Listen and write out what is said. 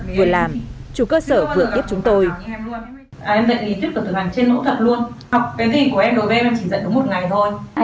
vừa làm chủ cơ sở vừa tiếp chúng ta